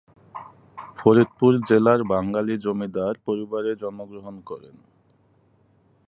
ফরিদপুর জেলার বাঙালি জমিদার পরিবারে জন্মগ্রহণ করেন।